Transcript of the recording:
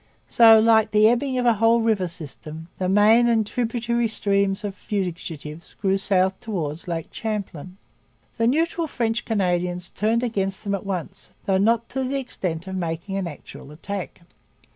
So, like the ebbing of a whole river system, the main and tributary streams of fugitives drew south towards Lake Champlain. The neutral French Canadians turned against them at once; though not to the extent of making an actual attack.